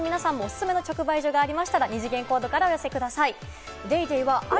視聴者の皆さんもおすすめの直売所の情報がありましたら、二次元コードからお寄せください。